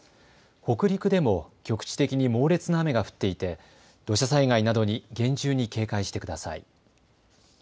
北陸でも局地的に猛烈な雨が降っていて土砂災害などに厳重に警戒してください。